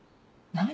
何？